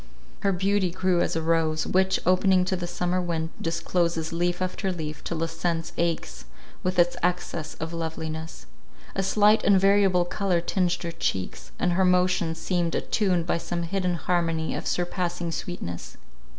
Her beauty grew as a rose, which, opening to the summer wind, discloses leaf after leaf till the sense aches with its excess of loveliness. A slight and variable colour tinged her cheeks, and her motions seemed attuned by some hidden harmony of surpassing sweetness.